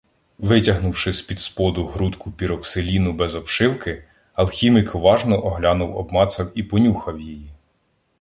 Витягнувши спідсподу грудку піроксиліну без "обшивки”, Алхімік уважно оглянув, обмацав і понюхав її.